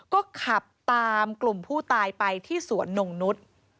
ก็ขับตามกลุ่มผู้ตายไปที่สวนนงนุษย์